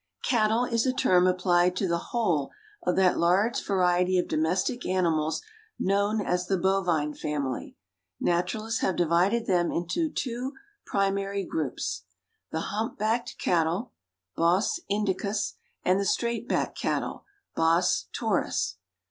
Cattle is a term applied to the whole of that large variety of domestic animals known as the Bovine family. Naturalists have divided them into two primary groups the hump backed cattle (Bos Indicus) and the straight backed cattle (Bos Taurus).